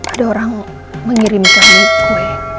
ada orang mengirim kami kue